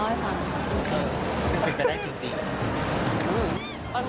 เออไม่เจอที่จะได้จริง